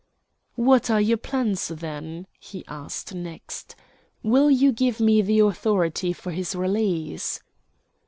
"What are your plans, then?" he asked next. "Will you give me the authority for his release?"